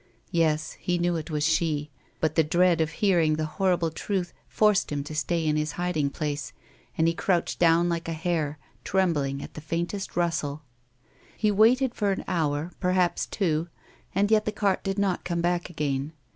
Yes, he knew it was she ; but the dread of hearing the horrible truth forced him to stay in his hiding place, and he crouched down like a hare, trembling at the faintest rustic. He waited for an hour — perhaps two — and yet the cart did not come back again.